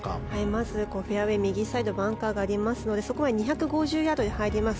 まずフェアウェー右サイドバンカーがありますのでそこは２５０ヤードで入ります。